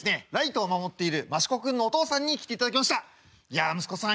や息子さん